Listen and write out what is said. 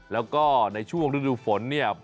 แล้วก็ในช่วงฤดูฝนเนี่ย